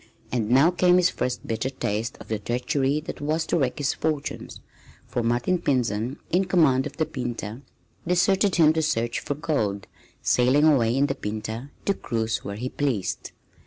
And now came his first bitter taste of the treachery that was to wreck his fortunes, for Martin Pinzon in command of the Pinta deserted him to search for gold, sailing away in the Pinta to cruise where he pleased.